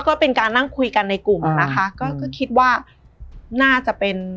ก็เป็นการนั่งคุยกันในกลุ่มนะคะก็คิดว่าน่าจะเป็น